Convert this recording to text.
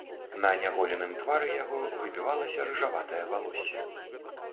На няголеным твары яго выбівалася рыжаватае валоссе.